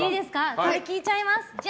これ聞いちゃいます。